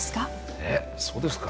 えっそうですか？